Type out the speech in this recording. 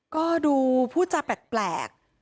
ก็ดูผู้จาแปลก